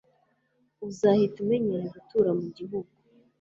Uzahita umenyera gutura mugihugu